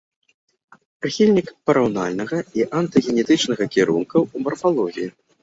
Прыхільнік параўнальнага і антагенетычнага кірункаў у марфалогіі.